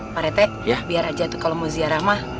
pak rt biar aja tuh kalo mau ziarah mbah